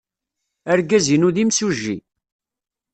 Argaz-inu d imsujji.